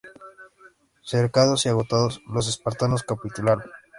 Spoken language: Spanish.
Cercados y agotados, los espartanos capitularon.